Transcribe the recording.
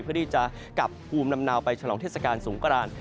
เพื่อที่จะกลับภูมิลำเนาไปฉลองเทศกาลสงกราน